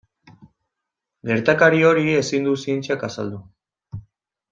Gertakari hori ezin du zientziak azaldu.